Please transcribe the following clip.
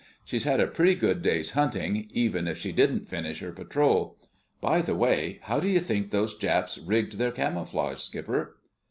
"She's had a pretty good day's hunting, even if she didn't finish her patrol. By the way—how do you think those Japs rigged their camouflage, Skipper?"